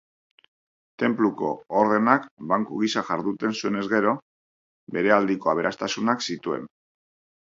Tenpluko ordenak banku gisa jarduten zuenez gero, berealdiko aberastasunak zituen.